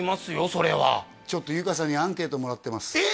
それはちょっと由夏さんにアンケートもらってますえ！？